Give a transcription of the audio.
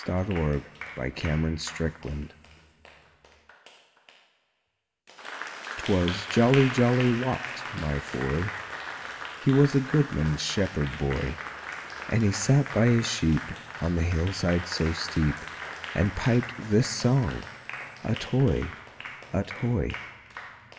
Old Carol 'TWAS JOLLY, JOLLY WAT 'Twas jolly, jolly Wat, my foy, He was a goodman's shepherd boy, And he sat by his sheep On the hill side so steep, And piped this song, Ut hoy! Ut hoy!